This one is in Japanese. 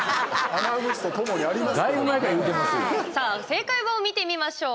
さあ、正解を見てみましょう。